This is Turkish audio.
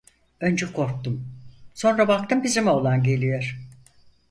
Önce korktum, sonra baktım bizim oğlan geliyor.